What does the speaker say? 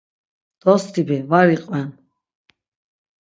Dostibi, var iqven!